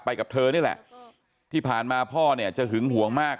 กับเธอนี่แหละที่ผ่านมาพ่อเนี่ยจะหึงห่วงมาก